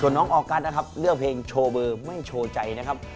น้องออกัสนะครับเลือกเพลงโชว์เบอร์ไม่โชว์ใจนะครับ